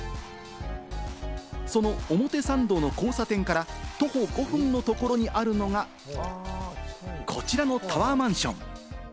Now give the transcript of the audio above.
その表参道の交差点から徒歩５分のところにあるのが、こちらのタワーマンション。